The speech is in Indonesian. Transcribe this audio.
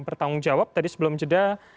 bertanggung jawab tadi sebelum jeda